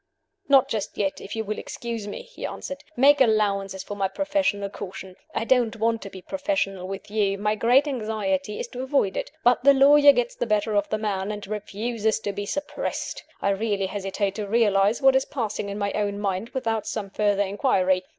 "Not just yet, if you will excuse me," he answered. "Make allowances for my professional caution. I don't want to be professional with you my great anxiety is to avoid it. But the lawyer gets the better of the man, and refuses to be suppressed. I really hesitate to realize what is passing in my own mind without some further inquiry.